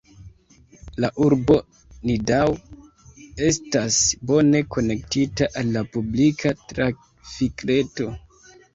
La urbo Nidau estas bone konektita al la publika trafikreto.